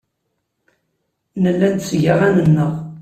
Nella netteg aɣan-nneɣ.